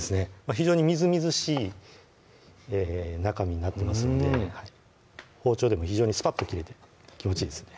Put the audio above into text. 非常にみずみずしい中身になってますので包丁でも非常にスパッと切れて気持ちいいですね